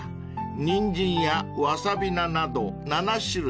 ［ニンジンやワサビナなど７種類］